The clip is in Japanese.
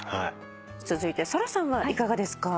続いてサラさんはいかがですか？